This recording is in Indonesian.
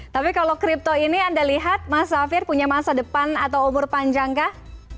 tapi kalau kripto ini anda lihat mas safir punya masa depan atau umur panjang kah